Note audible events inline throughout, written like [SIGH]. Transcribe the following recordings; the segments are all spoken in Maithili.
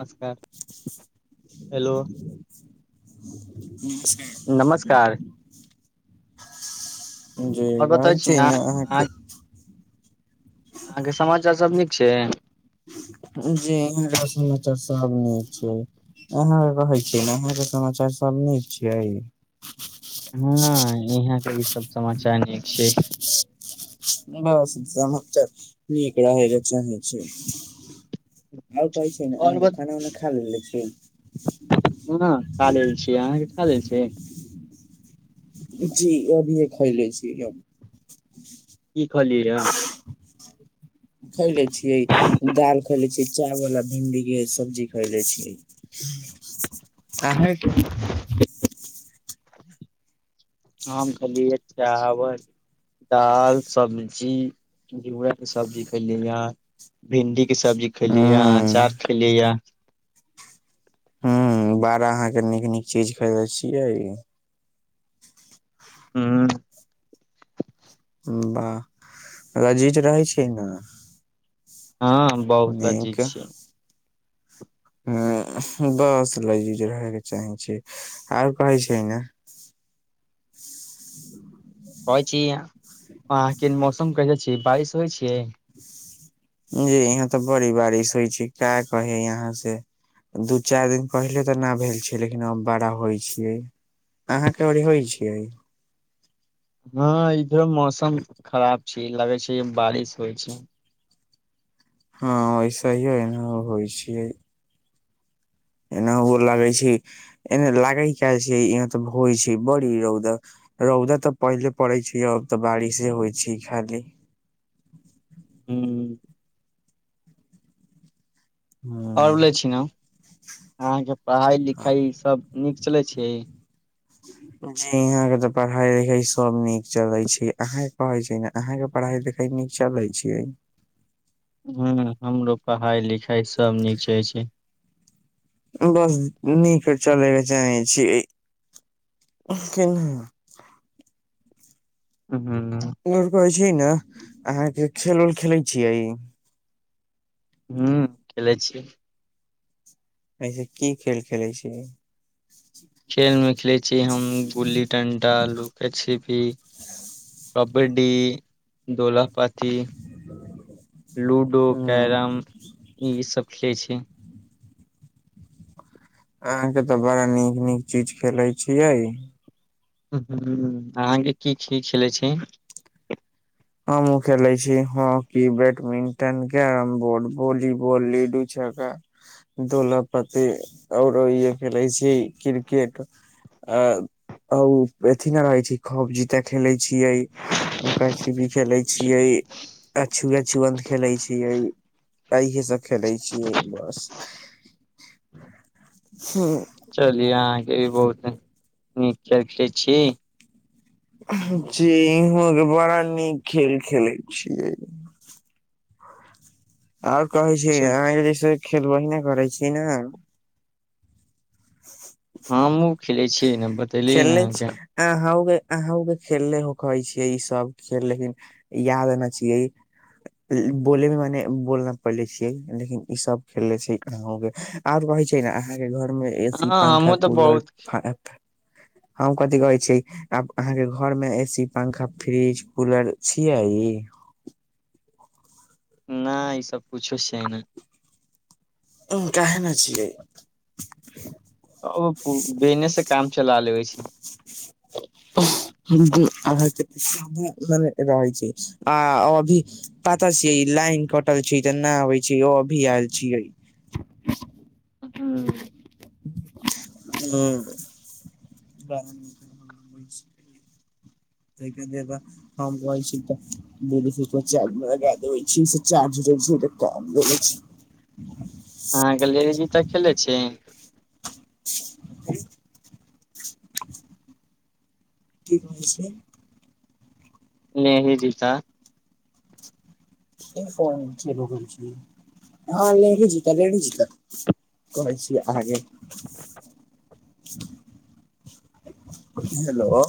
नमस्कार हेलो [UNINTELLIGIBLE] नमस्कार जी आओर बतबै छी नहि अहाँ अहाँ अहाँके अहाँके समाचार सभ नीक छै जी हमर हाल समाचार सब नीक छै अहाँके कहै छियै ने यहाँके समाचार सब नीक छियै ह यहां के भी सब समाचार नीक छै बस सम नीक रह जे चाहै छै आउ कहै छै आओर ब आ खाना उना खा लेले छी हँ खा लेल छियै अहाँके खा लेल छि जी अभी एक खै ले छियै की कहलिय खैले छियै दाल खैले छियै चावल आ भिंडी के सब्जी खायले छियै अहाके [UNINTELLIGIBLE] हम खैलीअ चावल दाल सब्जी घियुरा के सब्जी खेली ली यहाँ भिंडी के सब्जी खैली या हूं अचार खलिय या बारा अहाँके नीक नीक चीज खरीदे छियै हू वाह र जीत रहै छै ने हँ बहुत ब चीज नीक छियै ह बस लजीज रहयके चाहै छी आर कहै छै ने ह कहै छी अहाँके मौसम कहे छी बारिश होइ छै जी यहाँ तऽ बड़ी बारिश होइ छै का कही यहाँ से दू चारि दिन पहिले तऽ नहि भेल छै लेकिन अब बड़ा होइ छियै अहाँके ओर होइ छियै हँ इधरो मौसम खराब छै लगै छै बारिश होइ छै हँ ऐसे ह होइ छियै एना ओ लगै छै एने लागे क छै यहाँ तऽ होइ छै बड़ी रौदा रौदा तऽ पहिले पड़ै छै अब तऽ बारिशे होइ छै खाली हू आरले छी ने अहाँके पढ़ाई ह लिखाई सब नीक चलै छियै जी यहाँ के तऽ पढ़ाई लिखाई सब नीक चलै छै अहाँ कहै छै ने अहाँके पढ़ाई लिखाई नीक चलै छियै ह हमरो पढ़ाई लिखाई सब नीक चलै छै बस नीक चले के चाही छी केना ह जी ने अहाँके खेल उल खेलै छियै हू खेले छिये एहिसे की खेल खेलै छियै खेल मे खेलैत छी हम गुल्ली डंटा लूका छिपी क कबड्डी दोला पच क लूडो ह कैरम ई सब खेले छी ई अहाँ के तऽ बड़ा नीक नीक चीज खेले छियै ह अहाँके की छी खेलै छी हमहुँ खेले छी hockey badminton carrom board volleyball ludo दुोल प्ती औरो इ खेले छी क्रिकेट अ ओ अथि नहि रहै छै खब जीते खेले छियै भी खेले छियै आ छुआ छुत खेले छियै त इहे सब खेलै छियै बस ह चलिये अहाँके भी बहुत नीक खेल खेलै छिय जी इहके बड़ा नीक खेल खेलैत छियै आंओर कहै छै अहाँ से जे खेल बहिने करै छी ने हँ हमहुँ खेलै छी खेलने आ ह ग अहू के खेलले हो कहै छियै ई सब खेल लेकिन याद ने छियै बोले मे मने बोलना पले छियै लेकिन ई सब खेले छै अहो के आर हो छै ने अहाँके घर मे ए सी हँ पंखा हमहुँ तऽ कूलर बहुत हम कथि कहै छीयै आब अहाँके घर मे ए सी पंखा फ्रिज कूलर छियै ई [UNINTELLIGIBLE] नहि ईसभ कुछो छै ने उ काहना छियै ओ बिजनेस से काम चला लेबै छै [UNINTELLIGIBLE] ह म रहै छै आ अभी पापतर छियै लाईन कटल छै तऽ नहि अबै छै ओ अभी आयल छीये [UNINTELLIGIBLE] ब [UNINTELLIGIBLE] [UNINTELLIGIBLE] [UNINTELLIGIBLE] अहाँ गलेडीजी तऽ खेलै छी [UNINTELLIGIBLE] की कह छैै नहिही जीता ई फोन चलू छी हँ लेढ़ी जितऽ लेढ़ी जित कहै छी आगे हेलो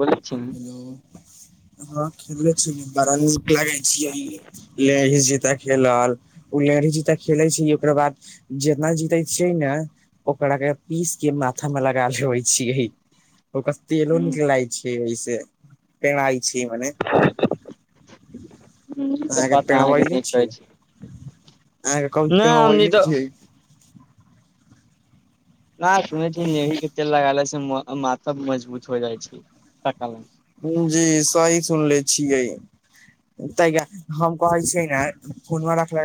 बोैल छी ब हँ खेल छी बड़ा नीक लागै छी लेहि जता खेलल ऊ जी खेले छै ओकरा बाद जेितना जीते छै ने ओकरा के पीस के माथा लगा लेबे छै ओकर तेलो निक हूँ लागे छैे छी मने ई सब अहाके बात अहाँके पेड़बे ले नहि छिय कहै छी अहाँ के करू तेल नहि हमनी पेरबेने तऽ ‌छिये न सुनै छीै नेही के तेल लगाले से माथा मजबूत हो जाइ छै जी सही सुनले छियै तऽ हम कहै छियै ने फोनवा राखे [UNINTELLIGIBLE]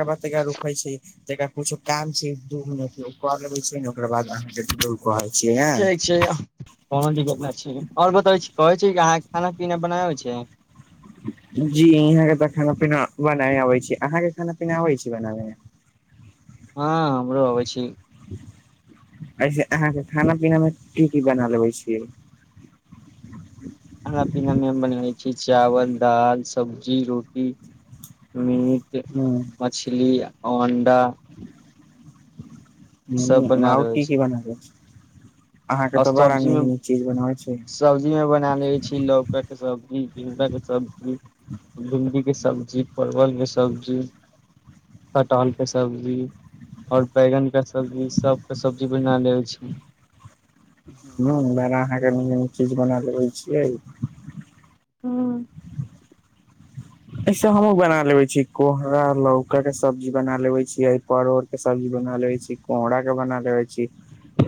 जेकरा कुछो काम छै दू मिनट के कर लेबे छै ने ओकरा बाद अहाँ के ठीक छै कोनो दिक्कत नहि छै आओर बताबै छी कहै अहाँ खाना पीना बनाब छै [UNINTELLIGIBLE] जी यहाँ के तऽ खाना पीना बनाब अबै छी अहाँ के खाना पीना अबै छी बनाबे मे हँ हमरो अबै छी ऐसे अहाँके खाना पीना मे की की बना लेबै छियै खाना पिना मे हम बनाबे चावल दाल सब्जी रोटी मीट हुं मछली आओर अंडा सब बना आओर लेबै की छी की बनाब छे अहाँ के आओर तऽ बड़ा सब्जी नीक मे नीक चीज बना सब्जी मे बना ले छी लौक के सब्जी झिगा के सब्जी भिण्डीके सब्जी परवलके सब्जी कटहल के सब्जी आओर बैगनके सब्जी सभके सब्जी बना लबै छी बड़ा अहाँके नीक नीक चीज बना लबै छियै हूॅं ऐसे हमहु बना लेवे छीै कोहरा लौका के सब्जी बना लेवे छीयै परोर के सब्जी बना ले छी कोरा के बना लेवे छी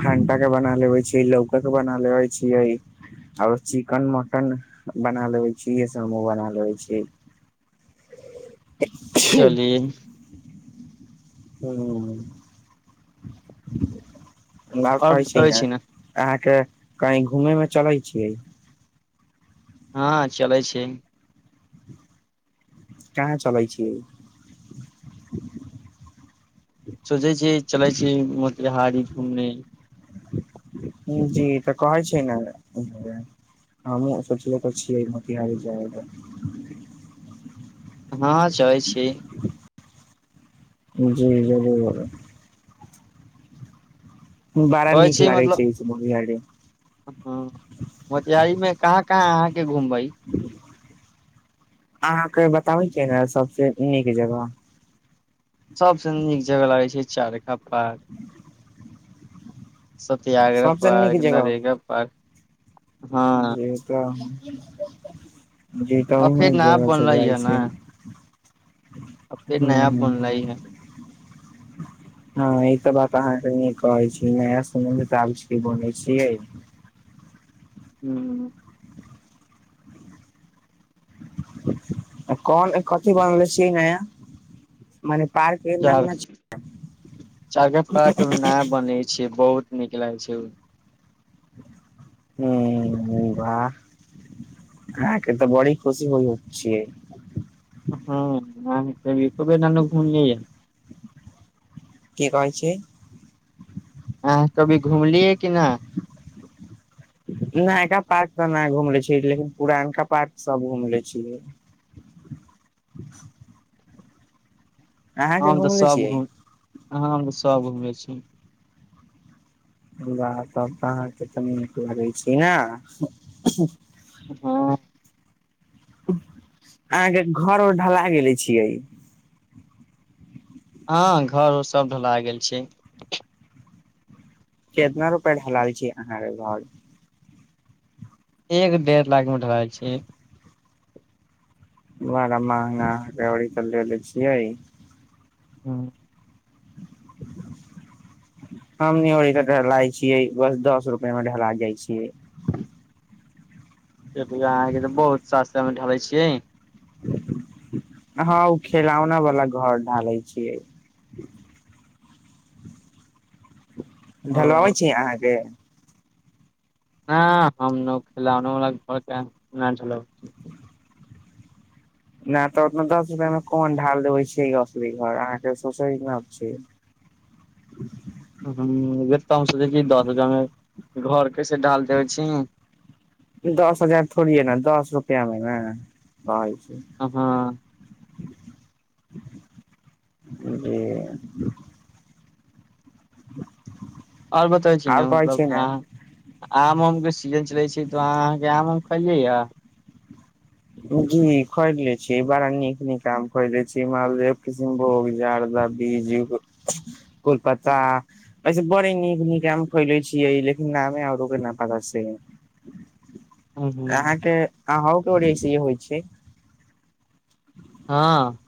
भंटा के बना लेवे छी लौका के बना लेबै छियै आओरो चिकेन मटन बना लेबे छी इ समूह बना लेे छी चली हुँ लाभ आओर कहै छै बतबै ने छी अहाँके कही घूमेमे चलै छियै हँ चलै छै कहां चलै छीयै सोचै छिय चलै छी मोतिहारी घूमने जी त कहइ छै ने हमू सोचले तऽ छियै मोतिहारी जायल हँ चैल छी जी जरूर बड़ा कहै नीक छी लागै मतलब छै मोतिहारी ह मोतिहारी मे कहाँ कहाँ अहाँके घुमबै अहाँके बताबै किया ने सबसे नीक जगह सभसँ नीक जगह लागै छै चारिका पार्क सत्याग्रह सबसे पार्क नरेगा पार्क हँ जे तऽ जी आ तहमे फेर नया जगह सब बनले जाइ हे ने छी आ फेर हू नया ह बनले ह हे हँ ई त बात अहाँके कहै छी नया समबन्ध तऽ आब बनै छियै हू कन कथी बनलै से नया मने पार्क के चा नाम न चाय के पाक‌‌ अभि नया बनै छै बहुत नीक लागै छै ओ हू ह बा हँ क तऽ बड़ी खुशी भइ हो चिय हँ अ त एको बेर न अन घुमलियै की कहै छी अहां कभी घूमलियए कि न नयका पार्क तऽ नहि घुमले छी लेकिन पुरानका पार्क सब घूम लैय छीयै [UNINTELLIGIBLE] हम तऽ घुमले सभ छियै घुम। अहाँ तऽ सभ घूमै छी बाह त तऽ अहाँके तऽ नीक लगै छी ने हँ अहाँके घर और ढला गेले छियै हँ घर उर सभ ढला गेल छै केतना रुपैया क ढ़लाइ छी अहाँक घर एक डेढ़ लाखमे ढलाल छै बड़ा महगा गड़ी तऽ लेलेे छियै हँ [UNINTELLIGIBLE] हमनी हो तऽ ढलाइ छियै बस दस रुपआ मे ढला जाइ छियै अहाँके तऽ बहुत सस्ता ढलै छियै हँ ओ खेलौना वाला घर ढालै छियै ओ ढलबाबै छी अहाँके ह हम न खेलौनो बाला घर के न ढलबौ चिय नहि तऽ ओत दस रुपमे कोन ढाल देबइ छै असली घर अहाँक सोचै न छै [UNINTELLIGIBLE] ह बे तऽ हम सोचै छी दस हजार मे घर कैसे ढाल देबै छी दस हजार थोड़ी ह ने दस रुप क ने भ [UNINTELLIGIBLE] आ हँ जी [UNINTELLIGIBLE] आओर बतबै छी ने आब कहै मतलब ने अहाँ आम आम के सीजन चलैत छी तऽ अहाँ अहाँके आम कजा जी खरिद ले छी बड़ा नीक नीकाम खरिदै छी मालदह किसिमभोग बीजु कोल्पता से बड़े नीक नीक आम खरिदै छियै लेकिन नामे आरो के न पता छै हँ अहाँके अहूके ओरस ई होइ छै हँ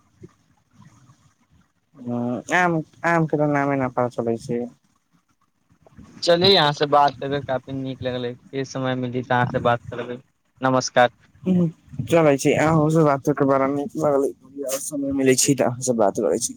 ह आम आम के तऽ नामे न पता चलै छै चलि अहाँ से बात क क काफी नीक लगले फेर समय मिलित अहाँ से बात करबै नमस्कार चलै छि अहो से बात क क बरा निक लगलै समय मिले छै त अह सब बात करै छि